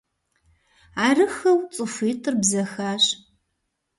Арыххэу цӀыхуитӏыр бзэхащ.